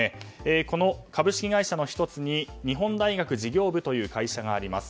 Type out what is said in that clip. この株式会社の１つに日本大学事業部という会社があります。